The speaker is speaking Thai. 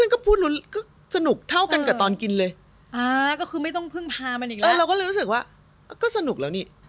ก็เลยบ้าถึงสนุกแล้วนี่